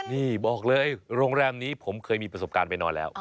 นี่บอกเลยโรงแรมนี้ผมเคยมีประสบการณ์ไปนอนแล้ว